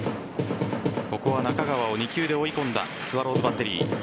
ここは中川を２球で追い込んだスワローズバッテリー。